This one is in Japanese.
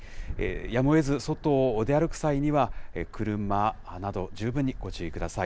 やむをえず外を出歩く際には、車など、十分にご注意ください。